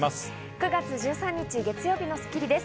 ９月１３日、月曜日の『スッキリ』です。